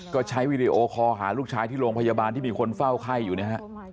ก็ใช้วีดีโอคอลหาลูกชายที่โรงพยาบาลที่มีคนเฝ้าไข้อยู่นะฮะ